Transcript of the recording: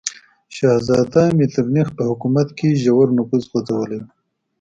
شهزاده میترنیخ په حکومت کې ژور نفوذ غځولی و.